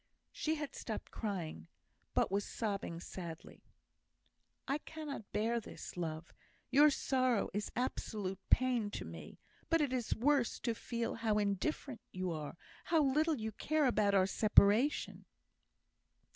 She had stopped crying, but was sobbing sadly. "I cannot bear this, love. Your sorrow is absolute pain to me; but it is worse to feel how indifferent you are how little you care about our separation."